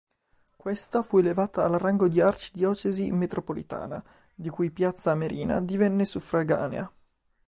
Questa fu elevata al rango di arcidiocesi metropolitana, di cui Piazza Armerina divenne suffraganea.